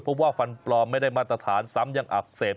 เพราะว่าฟันปลอมไม่ได้มาตรฐานซ้ำยังอักเสบ